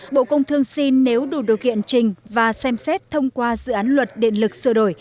bộ công thương xin nếu đủ điều kiện trình và xem xét thông qua dự án luật điện lực sửa đổi